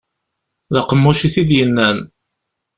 D aqemmuc i t-id-yennan.